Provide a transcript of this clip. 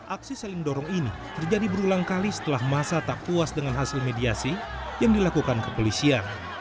aksi saling dorong ini terjadi berulang kali setelah masa tak puas dengan hasil mediasi yang dilakukan kepolisian